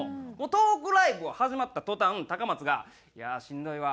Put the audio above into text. トークライブが始まった途端高松が「いやあしんどいわ。